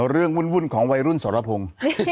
วุ่นของวัยรุ่นสรพงศ์